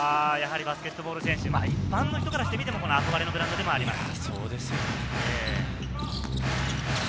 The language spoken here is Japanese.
バスケットボール選手、ファンの人からしても憧れのブランドであります。